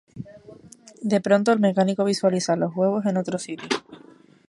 De pronto, el Mecánico visualiza los huevos en otro sitio.